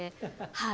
はい。